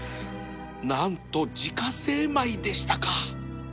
何と自家製米でしたか！